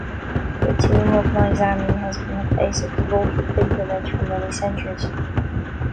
The tomb of Nizami has been a place of devoted pilgrimage for many centuries.